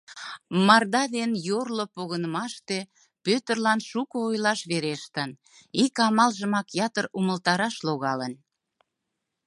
Марда ден йорло погынымаште Пӧтырлан шуко ойлаш верештын, ик амалжымак ятыр умылтараш логалын.